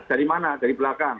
dari mana dari belakang